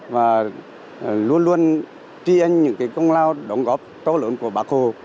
và luôn luôn tri ân những công lao đóng góp to lớn của bác hồ